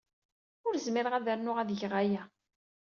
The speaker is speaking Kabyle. Ur zmireɣ ad rnuɣ ad geɣ aya.